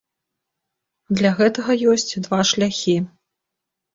Для гэтага ёсць два шляхі.